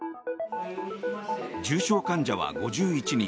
重症患者は５１人。